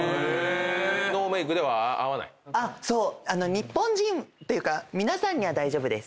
日本人っていうか皆さんには大丈夫です。